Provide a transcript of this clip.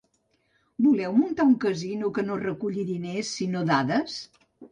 Voleu muntar un casino que no reculli diners sinó dades?